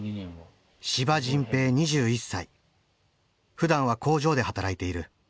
ふだんは工場で働いている。